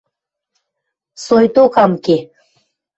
– Соикток ам ке...